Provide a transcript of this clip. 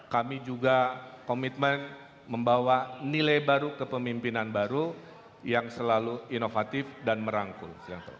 kami juga komitmen membawa nilai baru kepemimpinan baru yang selalu inovatif dan merangkul